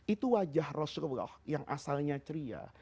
itu wajah rasulullah yang asalnya ceria